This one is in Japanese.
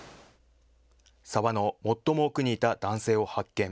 沢の最も奥にいた男性を発見。